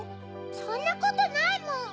そんなことないもん！